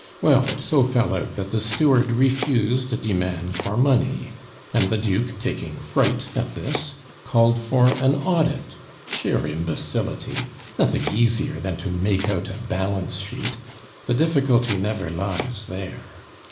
Well, it so fell out that the steward refused a demand for money; and the Duke taking fright at this, called for an audit. Sheer imbecility! Nothing easier than to make out a balance sheet; the difficulty never lies there.